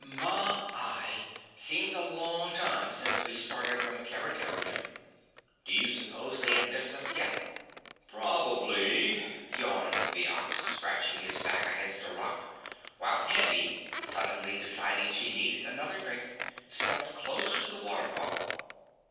"My y, seems a long time since we started from Keretaria. Do you suppose they have missed us yet?" "Probably," yawned the Ox, scratching his back against a rock, while Handy, suddenly deciding she needed another drink, stepped close to the waterfall.